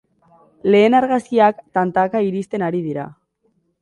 Lehen argazkiak tantaka iristen ari dira.